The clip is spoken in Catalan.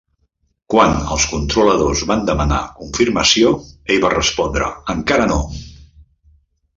Quan els controladors van demanar confirmació, ell va respondre "encara no".